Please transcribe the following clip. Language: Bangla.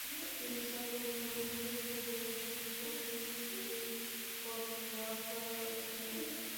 তিনি ছাত্রজীবনের শুরু থেকেই একজন শৌখিন স্ট্রিট ফটোগ্রাফারও ছিলেন।